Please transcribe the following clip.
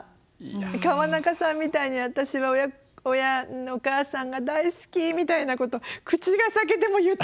川中さんみたいに私は親お母さんが大好きみたいなこと口が裂けても言ったことがないので。